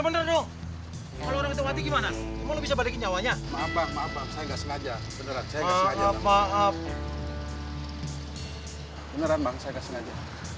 beneran pak saya gak sengaja